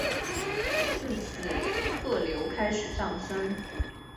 自此客流开始上升。